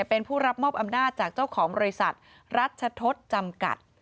เป็นผู้รับมอบอำนาจจากเจ้าของบริษัทรัชทศจำกัด